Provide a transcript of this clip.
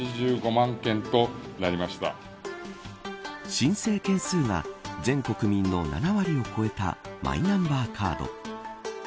申請件数は全国民の７割を超えたマイナンバーカード。